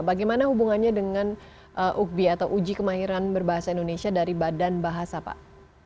bagaimana hubungannya dengan ukbi atau uji kemahiran berbahasa indonesia dari badan bahasa pak